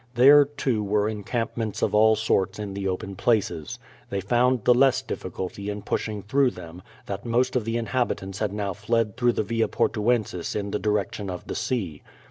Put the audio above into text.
There, too, were encamp ments of al sorts in the open places. They found the less diffi culty in pushing through them, that most of the inhabitants had now fled through the Via Portuensis in the direction of the sea.